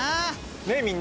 ねえみんな！